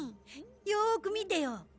よーく見てよ。